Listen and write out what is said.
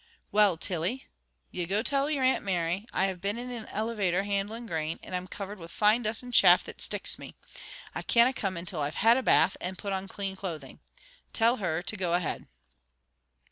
"Well, Tilly, ye go tell your Aunt Mary I have been in an eelevator handlin' grain, and I'm covered wi' fine dust and chaff that sticks me. I canna come until I've had a bath, and put on clean clothing. Tell her to go ahead."